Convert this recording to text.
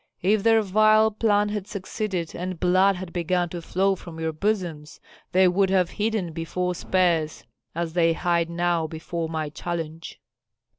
If their vile plan had succeeded and blood had begun to flow from your bosoms, they would have hidden before spears as they hide now before my challenge."